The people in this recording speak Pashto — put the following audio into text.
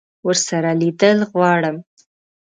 ورسره لیدل غواړم.